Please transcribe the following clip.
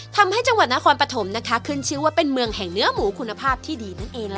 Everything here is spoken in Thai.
ทำให้จังหวัดนครปฐมขึ้นชื่อว่าเป็นเมืองแห่งเนื้อหมูคุณภาพที่ดีนั่นเองล่ะ